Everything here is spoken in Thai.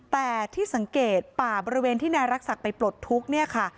แต่ที่สังเกตป่าบริเวณที่นายรักษักไปปลดทุกข์เนี่ยค่ะ